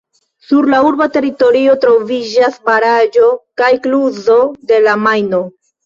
Sur la urba teritorio troviĝas baraĵo kaj kluzo de la Majno.